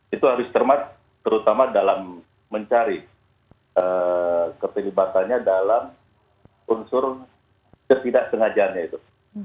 itu harus termas terutama dalam mencari keterlibatannya dalam unsur ketidak sengajaannya itu